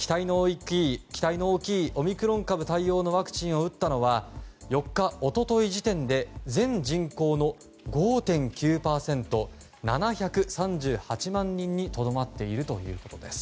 期待の大きいオミクロン株対応のワクチンを打ったのは４日、一昨日時点で全人口の５．９％７３８万人にとどまっているということです。